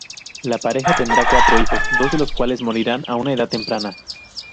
La pareja tendrá cuatro hijos, dos de los cuales morirán a una edad temprana.